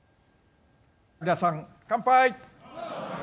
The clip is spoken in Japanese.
皆さん、乾杯。